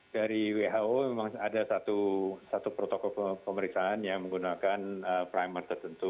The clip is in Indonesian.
dari who memang ada satu protokol pemeriksaan yang menggunakan primer tertentu